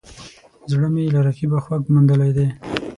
زړه مې له رقیبه خوږ موندلی دی